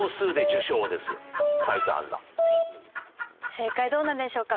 正解どうなんでしょうか？